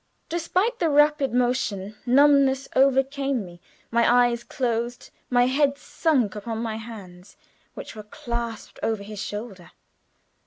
Despite the rapid motion, numbness overcame me; my eyes closed, my head sunk upon my hands, which were clasped over his shoulder.